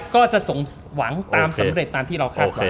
ก็จะสมหวังตามสำเร็จตามที่เราคาดหวัง